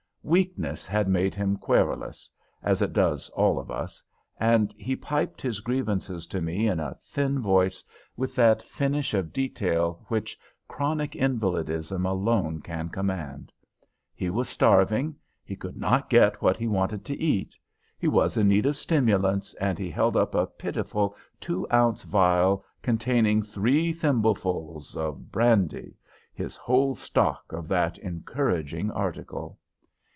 Weakness had made him querulous, as it does all of us, and he piped his grievances to me in a thin voice, with that finish of detail which chronic invalidism alone can command. He was starving, he could not get what he wanted to eat. He was in need of stimulants, and he held up a pitiful two ounce phial containing three thimblefuls of brandy, his whole stock of that encouraging article.